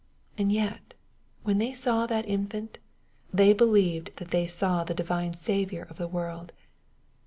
And yet when they saw that infant^ they believed that they saw the divine Saviour of the world.